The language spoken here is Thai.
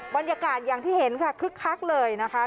บรรยากาศอย่างที่เห็นค่ะคึกคักเลยนะคะ